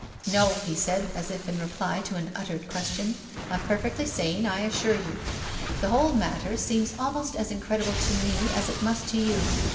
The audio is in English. " No," he said, as if in reply to an uttered question :" I'm perfectly sane, I assure you. The whole matter seems almost as incredible to me as it must to you.